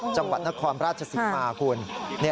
จังหวัดนครพระราชสีมาคุณ